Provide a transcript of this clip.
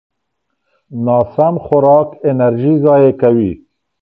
ناسم خوراک انرژي ضایع کوي.